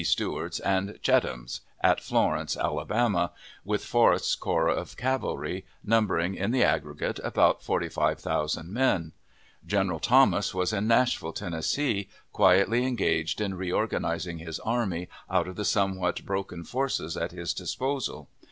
Stewart's, and Cheatham's, at Florence, Alabama with Forrest's corps of cavalry, numbering in the aggregate about forty five thousand men. General Thomas was in Nashville, Tennessee, quietly engaged in reorganizing his army out of the somewhat broken forces at his disposal.